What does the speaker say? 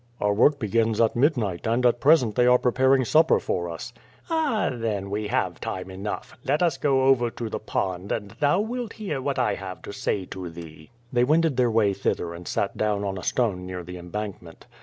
"Our work begins at midnight, and at present they are preparing supper for us." "Ah, then, we have time enough. Let us go over to the pond, and thou wilt hear what I have to say to thee." They wended their way thither and sat down on a stone near the embankment.